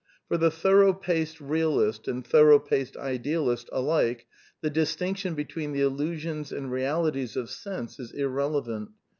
For the thorough paced realist and thorough paced idealist alike the distinction between the illusions and realities of sense*'^ is irrelevant.